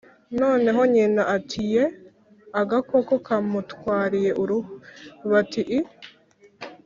noneho nyina ati ‘yeeee! agakoko kamutwariye uruhu?’ bati ‘iii.’